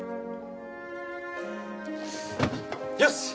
よし！